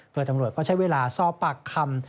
โดยตำรวจก็ใช้เวลาสอบปากคำ